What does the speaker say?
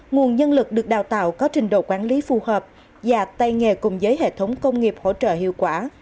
nguồn nhân lực được đào tạo có trình độ quản lý phù hợp và tay nghề cùng với hệ thống công nghiệp hỗ trợ hiệu quả